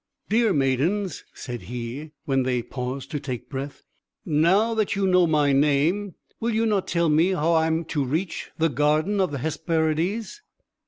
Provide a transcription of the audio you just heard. "Dear maidens," said he, when they paused to take breath, "now that you know my name, will you not tell me how I am to reach the garden of the Hesperides?"